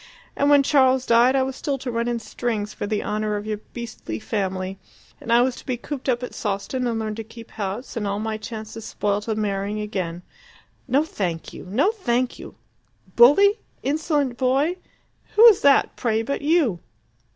And when Charles died I was still to run in strings for the honour of your beastly family, and I was to be cooped up at Sawston and learn to keep house, and all my chances spoilt of marrying again. No, thank you! No, thank you! 'Bully?' 'Insolent boy?' Who's that, pray, but you?